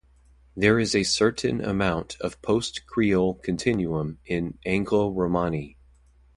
There is a certain amount of post-creole continuum in Anglo-Romani.